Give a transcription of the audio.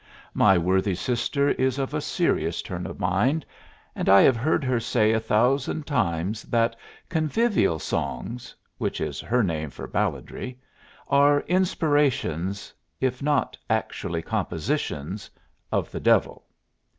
My worthy sister is of a serious turn of mind, and I have heard her say a thousand times that convivial songs (which is her name for balladry) are inspirations, if not actually compositions, of the devil.